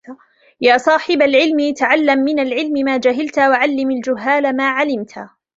يَا صَاحِبَ الْعِلْمِ تَعَلَّمْ مِنْ الْعِلْمِ مَا جَهِلْت وَعَلِّمْ الْجُهَّالَ مَا عَلِمْت